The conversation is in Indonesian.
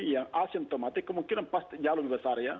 yang asimptomatik kemungkinan jauh lebih besar ya